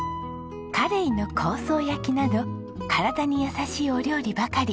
カレイの香草焼きなど体に優しいお料理ばかり。